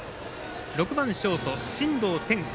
６番、ショート、進藤天。